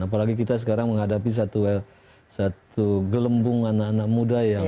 apalagi kita sekarang menghadapi satu gelembung anak anak muda yang